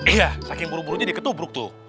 iya saking buru buru jadi ketubruk tuh